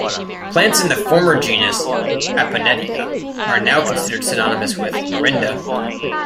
Plants in the former genus "Appunettia" are now considered synonymous with "Morinda".